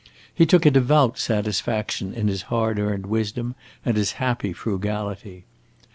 He took a devout satisfaction in his hard earned wisdom and his happy frugality.